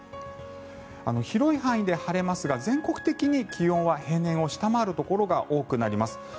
広い範囲で晴れますが全国的に気温は平年を下回るところが多くなります。